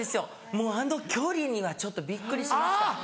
もうあの距離にはちょっとびっくりしました。